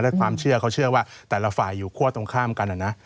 และความเชื่อเขาเชื่อว่าแต่ละฝ่ายอยู่คั่วตรงข้ามกันนะ